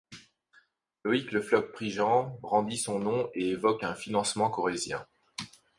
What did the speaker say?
Loïk Le Floch-Prigent brandit son nom et évoque un financement corrézien.